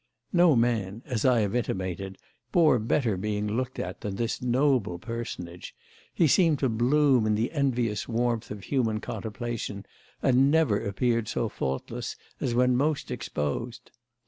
No man, as I have intimated, bore better being looked at than this noble personage; he seemed to bloom in the envious warmth of human contemplation and never appeared so faultless as when most exposed.